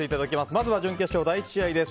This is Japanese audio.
まずは準決勝、第１試合です。